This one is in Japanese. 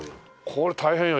これ大変よ